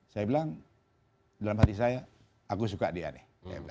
saya bilang dalam hati saya aku suka dia nih